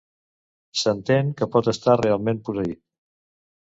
Senten que pot estar realment "posseït".